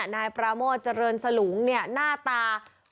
นายปราโมทเจริญสลุงหน้าตา